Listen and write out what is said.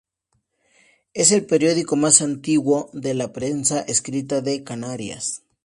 Es el periódico más antiguo de la prensa escrita de Canarias.